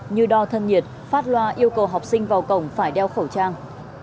như đo thân nhiệt phát loa yêu cầu học sinh vào cổng phải đeo khẩu trang